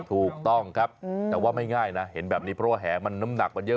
ถูกต้องครับแต่ว่าไม่ง่ายนะเห็นแบบนี้เพราะว่าแหมันน้ำหนักมันเยอะ